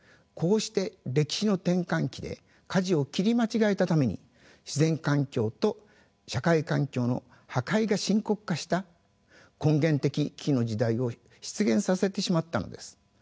こうして歴史の転換期でかじを切り間違えたために自然環境と社会環境の破壊が深刻化した根源的危機の時代を出現させてしまったのです。